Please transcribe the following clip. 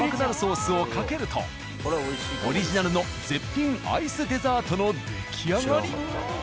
スをかけるとオリジナルの絶品アイスデザートの出来上がり。